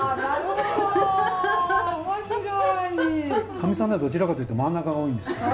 かみさんのはどちらかというと真ん中が多いんですけどね。